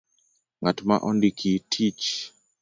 Ng'at ma ondiki tich